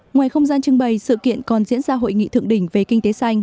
ngoài không gian trưng bày sự kiện còn diễn ra hội nghị thượng đỉnh về kinh tế xanh